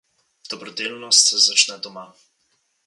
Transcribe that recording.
Dobrodelnost se začne doma.